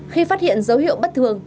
khi phát hiện dấu hiệu bất thường